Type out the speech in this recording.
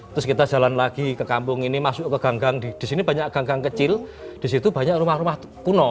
terus kita jalan lagi ke kampung ini masuk ke ganggang di sini banyak ganggang kecil di situ banyak rumah rumah kuno